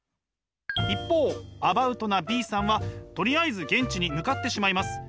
一方アバウトなＢさんはとりあえず現地に向かってしまいます。